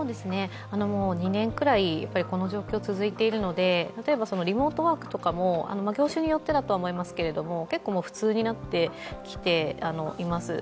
２年くらい、この状況続いているのでリモートワークとかも業種によってだとは思いますけれども、普通になってきています。